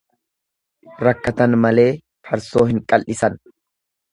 Rakkatan malee farsoo hin qal'isan.